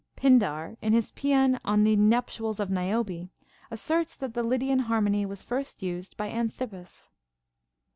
Pindar, in his paean on the nuptials of Niobe, asserts that the Lydian harmony was first used by Anthippus.